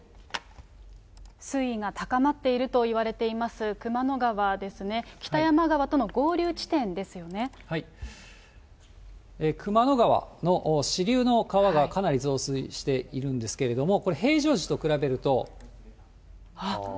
水位が高まっているといわれています熊野川ですね、熊野川の支流の川が、かなり増水しているんですけれども、これ、平常時と比べると。